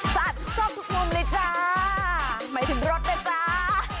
สะอาดทรอบทุกมุมเลยจ้าไม่ถึงรถเลยจ้า